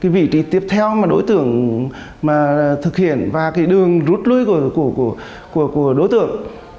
vị trí tiếp theo mà đối tượng thực hiện và đường rút lui của đối tượng